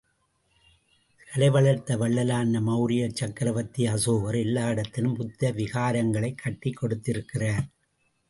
கலை வளர்த்த வள்ளலான மௌரியச் சக்கரவர்த்தி அசோகர், எல்லா இடத்திலும் புத்த விகாரங்களைக் கட்டிக் கொடுத்திருக்கிறார்.